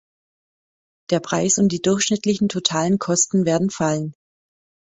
Der Preis und die durchschnittlichen totalen Kosten werden fallen.